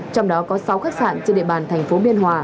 trong đó có sáu khách sạn trên địa bàn thành phố biên hòa